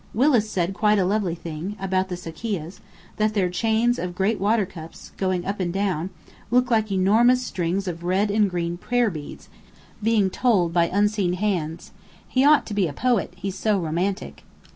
Willis said quite a lovely thing, about the sakkiyehs: that their chains of great water cups, going up and down, look like enormous strings of red and green prayer beads, being 'told' by unseen hands. He ought to be a poet, he's so romantic."